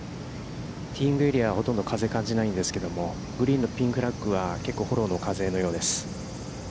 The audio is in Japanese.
ティーイングエリアはほとんど風を感じないんですが、グリーンのピンフラッグは結構フォローの風のようです。